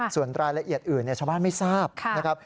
ส่วนรายละเอียดอื่นชาวบ้านไม่ทราบนะครับ